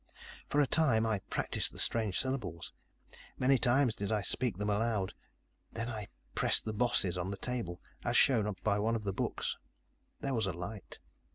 "For a time, I practiced the strange syllables. Many times did I speak them aloud, then I pressed the bosses on the table, as shown by one of the books. There was a light.